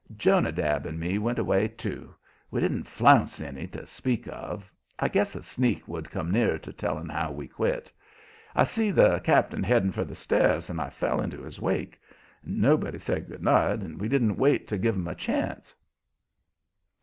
Jonadab and me went away, too. We didn't flounce any to speak of. I guess a "sneak" would come nearer to telling how we quit. I see the cap'n heading for the stairs and I fell into his wake. Nobody said good night, and we didn't wait to give 'em a chance.